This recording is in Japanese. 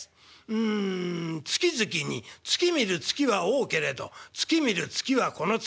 うん『月々に月見る月は多けれど月見る月はこの月の月』」。